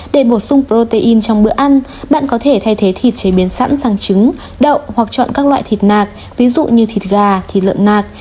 để bổ sung protein trong bữa ăn bạn có thể thay thế thịt chế biến sẵn sàng trứng đậu hoặc chọn các loại thịt nạc ví dụ như thịt gà thịt lợn nạc